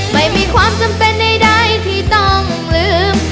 ไม่มีความจำเป็นใดที่ต้องลืม